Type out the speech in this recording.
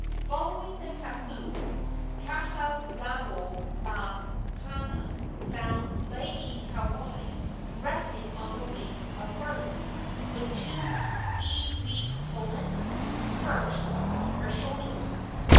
Following the kahu, Kahalaomapuana found Laieikawai resting on the wings of birds, with two iiwipolenas perched upon her shoulders.